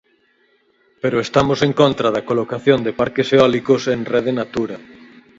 Pero estamos en contra da colocación de parques eólicos en Rede Natura.